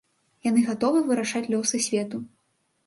Яны гатовы вырашаць лёсы свету.